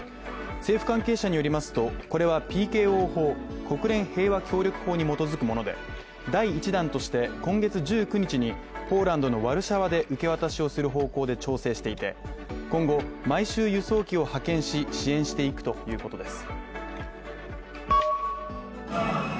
政府関係者によりますとこれはＰＫＯ法に基づくもので第１弾として、今月１９日にポーランドのワルシャワで受け渡しをする方針で調整していて、今後、毎週輸送機を派遣して支援していくということです。